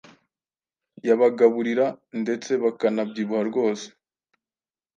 Yabagaburira ndetse bakanabyibuha rwose